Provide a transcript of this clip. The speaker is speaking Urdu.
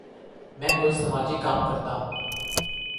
میں کچھ سماجی کام کرتا ہوں۔